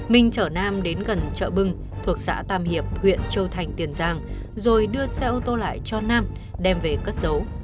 minh chở nam đến gần chợ bưng thuộc xã tam hiệp huyện châu thành tiền giang rồi đưa xe ô tô lại cho nam đem về cất giấu